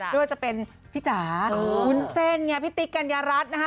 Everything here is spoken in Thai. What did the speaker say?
ด้วยจะเป็นพี่จ๋าอุ้นเส้นพี่ติกัญญารัฐนะฮะ